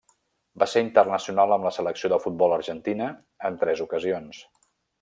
Va ser internacional amb la Selecció de futbol d'Argentina en tres ocasions.